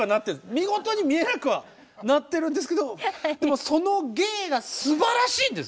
見事に見えなくはなってるんですけどでもその芸がすばらしいんです。